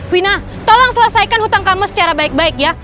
fina tolong selesaikan hutang kamu secara baik baik ya